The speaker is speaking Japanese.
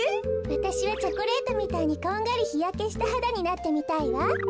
わたしはチョコレートみたいにこんがりひやけしたはだになってみたいわ。